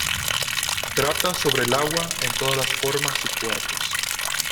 Trata sobre el agua en todas las formas y cuerpos.